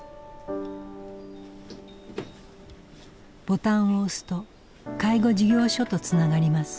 ボタンを押すと介護事業所とつながります。